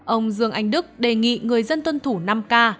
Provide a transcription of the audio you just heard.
ông dương anh đức đề nghị người dân tuân thủ năm k